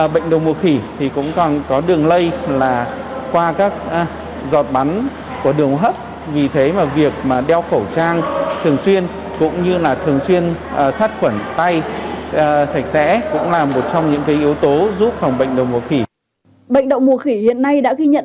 bệnh động mùa khỉ hiện nay đã ghi nhận